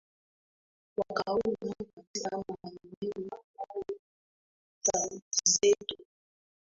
wakaona katika maeneo ambayo tayari sauti zetu